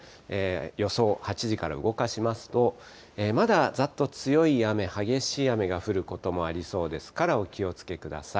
予想、８時から動かしますと、まだざっと強い雨、激しい雨が降ることもありそうですから、お気をつけください。